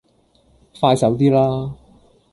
快手啲啦